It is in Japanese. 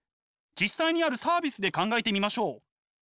実際にあるサービスで考えてみましょう。